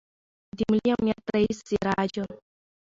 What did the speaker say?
د ملي امنیت رئیس سراج